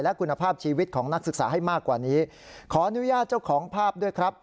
และคุณภาพชีวิตของนักศึกษาให้มากกว่านี้ขออนุญาตเจ้าของภาพด้วยครับ